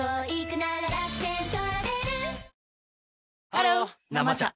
ハロー「生茶」